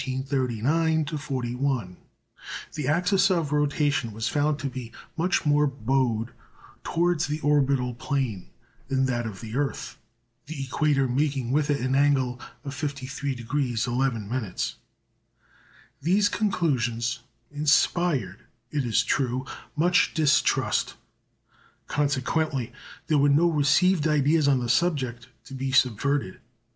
The axis of rotation was found to be much more bowed towards the orbital plane than that of the earth, the equator making with it an angle of 53° 11'. These conclusions inspired, it is true, much distrust, consequently there were no received ideas on the subject to be subverted.